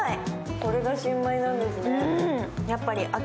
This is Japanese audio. これが新米なんですね。